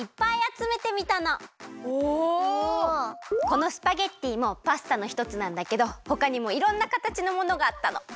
このスパゲッティもパスタのひとつなんだけどほかにもいろんなかたちのものがあったの！